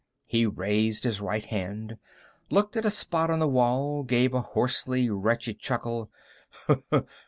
He raised his right hand, looked at a spot on the wall, gave a hoarsely wretched chuckle.